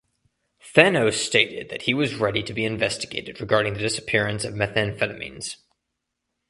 Thanos stated that he was ready to be investigated regarding the disappearance of methamphetamines.